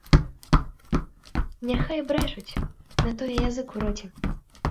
Няхай брэшуць, на тое язык у роце.